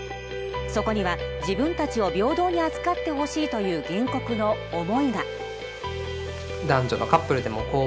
そこには自分たちを平等に扱ってほしいという原告の思いが。